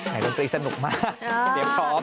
ไหนดนตรีสนุกมากเดี๋ยวพร้อม